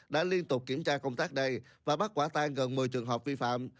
đã liên tục kiểm tra công tác đây và bắt quả tang gần một mươi trường hợp vi phạm